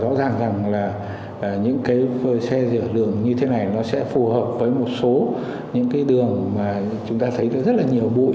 rõ ràng rằng là những cái vơi xe rửa đường như thế này nó sẽ phù hợp với một số những cái đường mà chúng ta thấy được rất là nhiều bụi